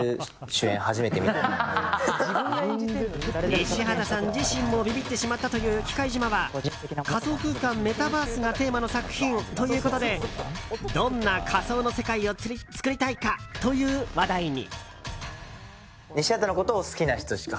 西畑さん自身もビビってしまったという「忌怪島／きかいじま」は仮想空間、メタバースがテーマの作品ということでどんな仮想の世界を作りたいかという話題に。